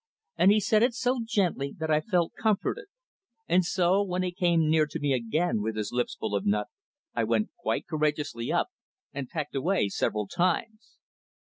And he said it so gently that I felt comforted; and so, when he came near to me again with his lips full of nut, I went quite courageously up and pecked away several times.